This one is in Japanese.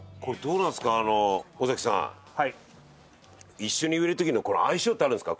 一緒に植える時の相性ってあるんですか？